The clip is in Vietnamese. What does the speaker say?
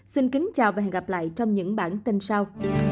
xin kính chào và hẹn gặp lại trong những bản tin sau